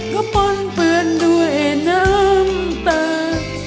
ก็ป้นเปลือนด้วยน้ำตา